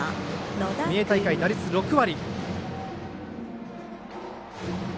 三重大会打率５割。